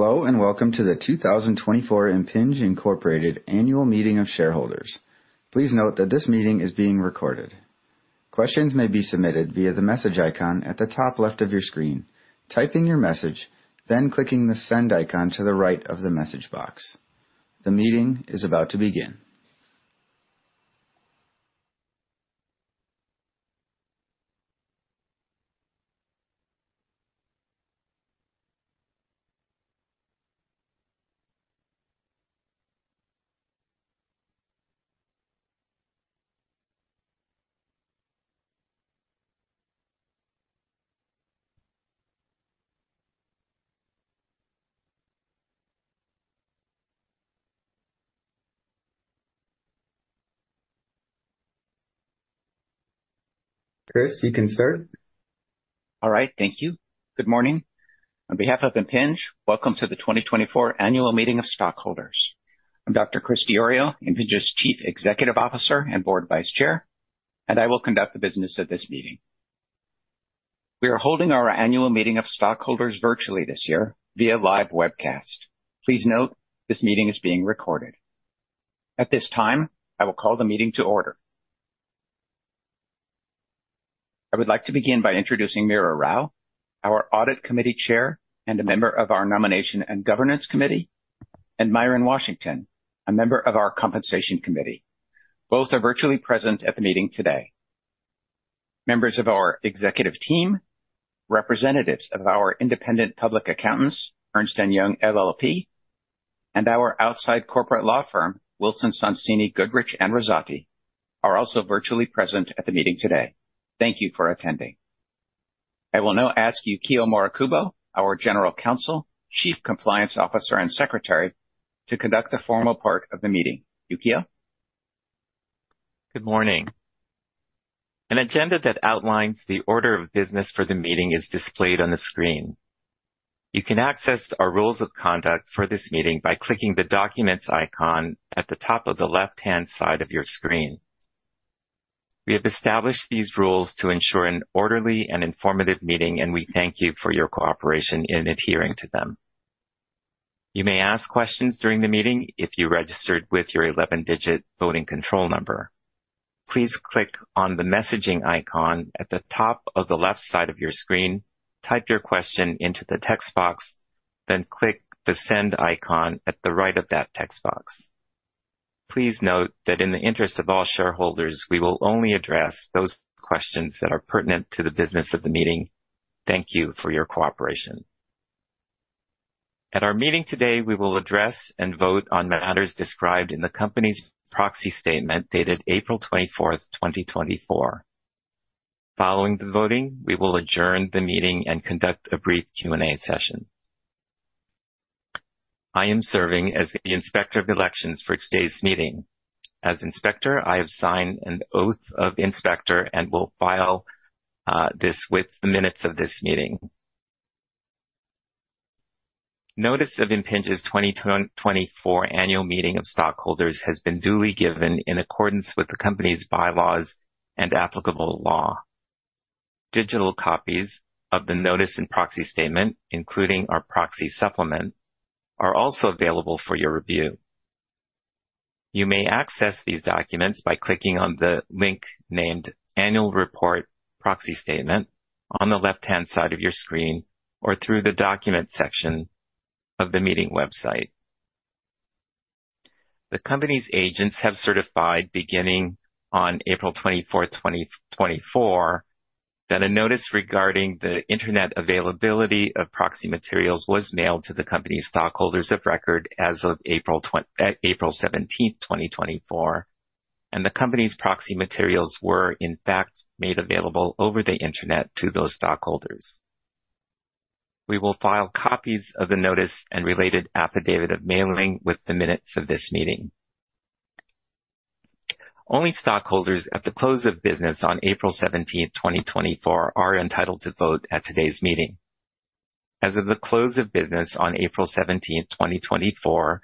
Hello and welcome to the 2024 Impinj Incorporated Annual Meeting of Shareholders. Please note that this meeting is being recorded. Questions may be submitted via the message icon at the top left of your screen. Type in your message, then click the send icon to the right of the message box. The meeting is about to begin. Chris, you can start. All right, thank you. Good morning. On behalf of Impinj, welcome to the 2024 Annual Meeting of Stockholders. I'm Dr. Chris Diorio, Impinj's Chief Executive Officer and Board Vice Chair, and I will conduct the business of this meeting. We are holding our Annual Meeting of Stockholders virtually this year via live webcast. Please note this meeting is being recorded. At this time, I will call the meeting to order. I would like to begin by introducing Meera Rao, our Audit Committee Chair and a member of our Nominating and Governance Committee, and Myronn Washington, a member of our Compensation Committee. Both are virtually present at the meeting today. Members of our Executive Team, representatives of our Independent Public Accountants, Ernst & Young LLP, and our outside corporate law firm, Wilson Sonsini Goodrich & Rosati, are also virtually present at the meeting today. Thank you for attending. I will now ask Yukio Morikubo, our General Counsel, Chief Compliance Officer and Secretary, to conduct the formal part of the meeting. Yukio? Good morning. An agenda that outlines the order of business for the meeting is displayed on the screen. You can access our rules of conduct for this meeting by clicking the documents icon at the top of the left-hand side of your screen. We have established these rules to ensure an orderly and informative meeting, and we thank you for your cooperation in adhering to them. You may ask questions during the meeting if you registered with your 11-digit voting control number. Please click on the messaging icon at the top of the left side of your screen, type your question into the text box, then click the send icon at the right of that text box. Please note that in the interest of all shareholders, we will only address those questions that are pertinent to the business of the meeting. Thank you for your cooperation. At our meeting today, we will address and vote on matters described in the company's proxy statement dated April 24, 2024. Following the voting, we will adjourn the meeting and conduct a brief Q&A session. I am serving as the Inspector of Elections for today's meeting. As Inspector, I have signed an oath of inspector and will file this with the minutes of this meeting. Notice of Impinj's 2024 Annual Meeting of Stockholders has been duly given in accordance with the company's bylaws and applicable law. Digital copies of the notice and proxy statement, including our proxy supplement, are also available for your review. You may access these documents by clicking on the link named Annual Report Proxy Statement on the left-hand side of your screen or through the document section of the meeting website. The company's agents have certified, beginning on April 24, 2024, that a notice regarding the internet availability of proxy materials was mailed to the company's stockholders of record as of April 17, 2024, and the company's proxy materials were, in fact, made available over the internet to those stockholders. We will file copies of the notice and related affidavit of mailing with the minutes of this meeting. Only stockholders at the close of business on April 17, 2024, are entitled to vote at today's meeting. As of the close of business on April 17, 2024,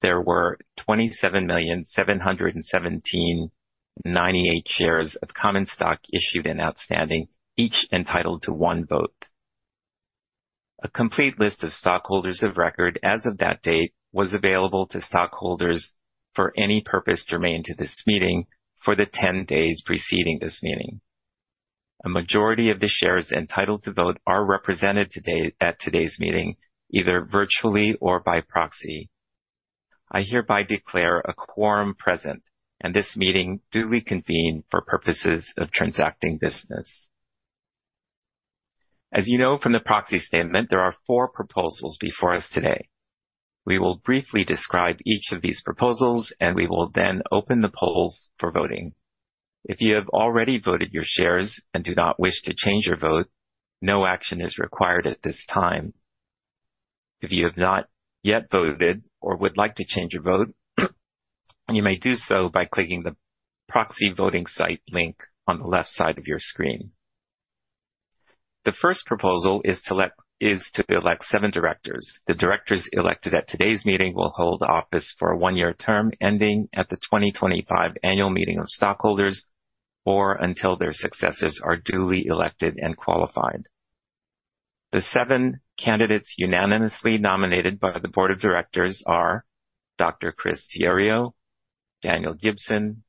there were 27,717.98 shares of common stock issued and outstanding, each entitled to one vote. A complete list of stockholders of record as of that date was available to stockholders for any purpose germane to this meeting for the 10 days preceding this meeting. A majority of the shares entitled to vote are represented today at today's meeting either virtually or by proxy. I hereby declare a quorum present, and this meeting duly convened for purposes of transacting business. As you know from the proxy statement, there are four proposals before us today. We will briefly describe each of these proposals, and we will then open the polls for voting. If you have already voted your shares and do not wish to change your vote, no action is required at this time. If you have not yet voted or would like to change your vote, you may do so by clicking the proxy voting site link on the left side of your screen. The first proposal is to elect seven directors. The directors elected at today's meeting will hold office for a one-year term ending at the 2025 Annual Meeting of Stockholders or until their successors are duly elected and qualified. The seven candidates unanimously nominated by the Board of Directors are Dr. Chris Diorio, Daniel Gibson,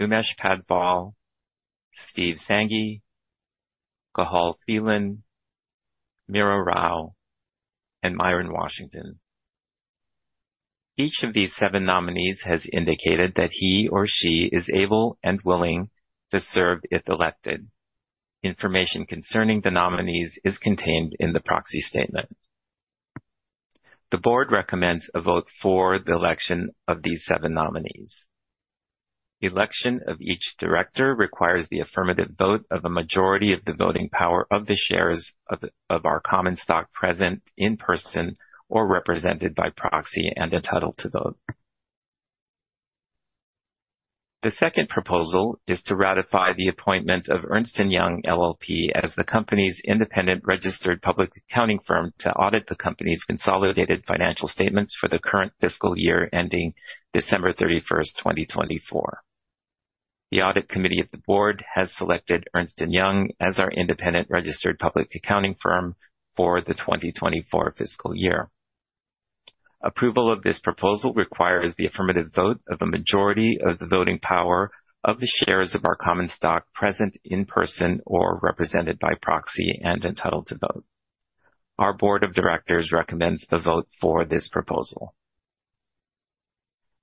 Umesh Padval, Steve Sanghi, Cathal Phelan, Meera Rao, and Myronn Washington. Each of these seven nominees has indicated that he or she is able and willing to serve if elected. Information concerning the nominees is contained in the proxy statement. The board recommends a vote for the election of these seven nominees. The election of each director requires the affirmative vote of a majority of the voting power of the shares of our common stock present in person or represented by proxy and entitled to vote. The second proposal is to ratify the appointment of Ernst & Young LLP as the company's independent registered public accounting firm to audit the company's consolidated financial statements for the current fiscal year ending December 31, 2024. The audit committee of the board has selected Ernst & Young as our independent registered public accounting firm for the 2024 fiscal year. Approval of this proposal requires the affirmative vote of a majority of the voting power of the shares of our common stock present in person or represented by proxy and entitled to vote. Our board of directors recommends the vote for this proposal.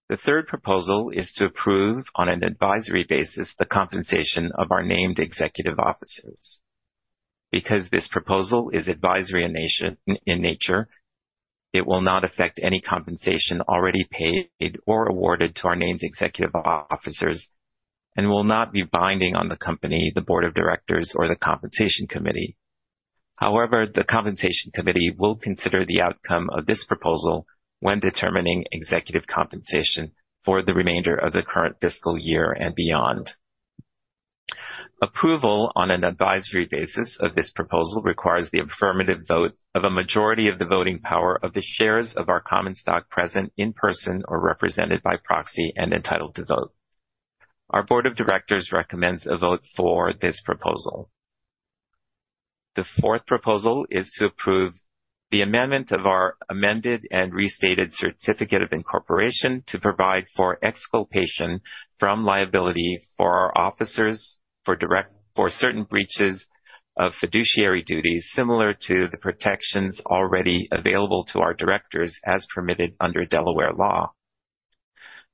The third proposal is to approve on an advisory basis the compensation of our named executive officers. Because this proposal is advisory in nature, it will not affect any compensation already paid or awarded to our named executive officers and will not be binding on the company, the board of directors, or the compensation committee. However, the compensation committee will consider the outcome of this proposal when determining executive compensation for the remainder of the current fiscal year and beyond. Approval on an advisory basis of this proposal requires the affirmative vote of a majority of the voting power of the shares of our common stock present in person or represented by proxy and entitled to vote. Our board of directors recommends a vote for this proposal. The fourth proposal is to approve the amendment of our amended and restated certificate of incorporation to provide for exculpation from liability for our officers for certain breaches of fiduciary duties similar to the protections already available to our directors as permitted under Delaware law.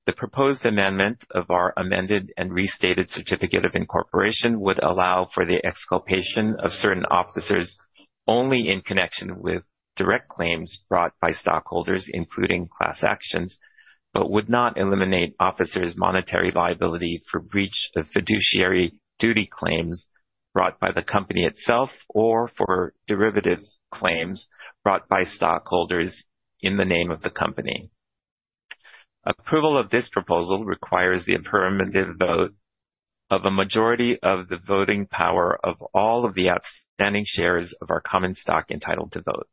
The proposed amendment of our amended and restated certificate of incorporation would allow for the exculpation of certain officers only in connection with direct claims brought by stockholders, including class actions, but would not eliminate officers' monetary liability for breach of fiduciary duty claims brought by the company itself or for derivative claims brought by stockholders in the name of the company. Approval of this proposal requires the affirmative vote of a majority of the voting power of all of the outstanding shares of our common stock entitled to vote.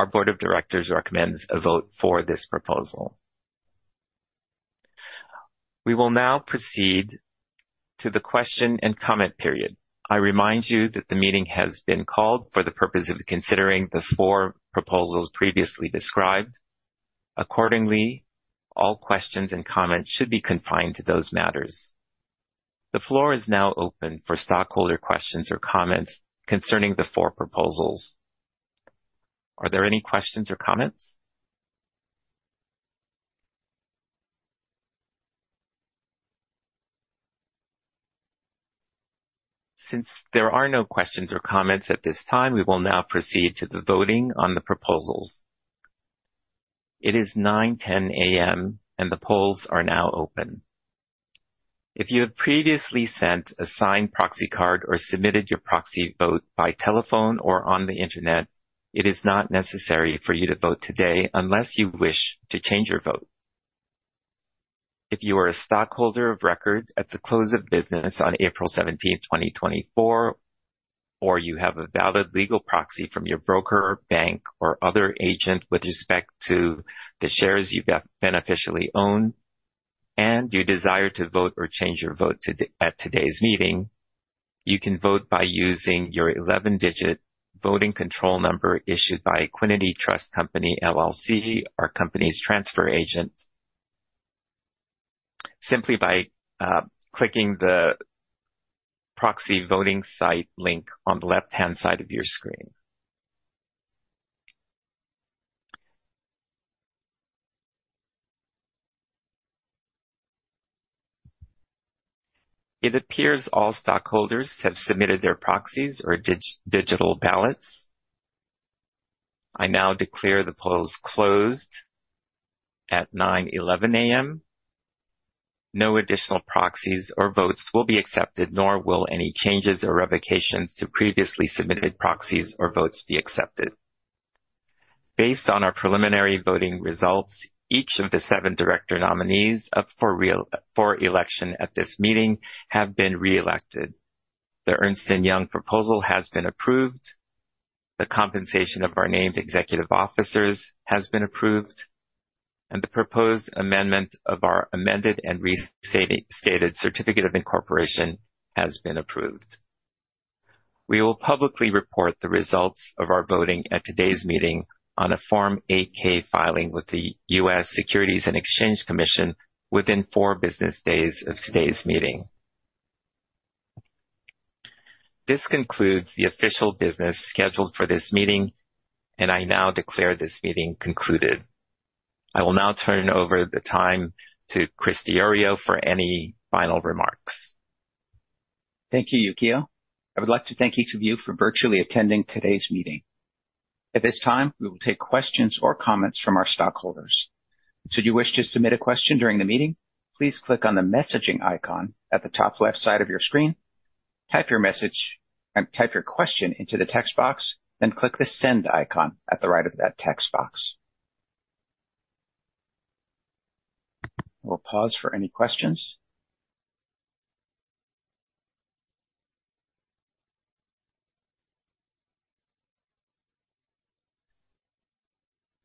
Our board of directors recommends a vote for this proposal. We will now proceed to the question and comment period. I remind you that the meeting has been called for the purpose of considering the four proposals previously described. Accordingly, all questions and comments should be confined to those matters. The floor is now open for stockholder questions or comments concerning the four proposals. Are there any questions or comments? Since there are no questions or comments at this time, we will now proceed to the voting on the proposals. It is 9:10 A.M., and the polls are now open. If you have previously sent a signed proxy card or submitted your proxy vote by telephone or on the internet, it is not necessary for you to vote today unless you wish to change your vote. If you are a stockholder of record at the close of business on April 17, 2024, or you have a valid legal proxy from your broker, bank, or other agent with respect to the shares you beneficially own, and you desire to vote or change your vote at today's meeting, you can vote by using your 11-digit voting control number issued by Equiniti Trust Company, LLC, our company's transfer agent, simply by clicking the proxy voting site link on the left-hand side of your screen. It appears all stockholders have submitted their proxies or digital ballots. I now declare the polls closed at 9:11 A.M. No additional proxies or votes will be accepted, nor will any changes or revocations to previously submitted proxies or votes be accepted. Based on our preliminary voting results, each of the seven director nominees up for election at this meeting have been re-elected. The Ernst & Young proposal has been approved, the compensation of our named executive officers has been approved, and the proposed amendment of our amended and restated certificate of incorporation has been approved. We will publicly report the results of our voting at today's meeting on a Form 8-K filing with the U.S. Securities and Exchange Commission within four business days of today's meeting. This concludes the official business scheduled for this meeting, and I now declare this meeting concluded. I will now turn over the time to Chris Diorio for any final remarks. Thank you, Yukio. I would like to thank each of you for virtually attending today's meeting. At this time, we will take questions or comments from our stockholders. Should you wish to submit a question during the meeting, please click on the messaging icon at the top left side of your screen, type your message, type your question into the text box, then click the send icon at the right of that text box. We'll pause for any questions.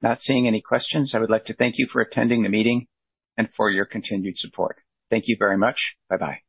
Not seeing any questions, I would like to thank you for attending the meeting and for your continued support. Thank you very much. Bye-bye.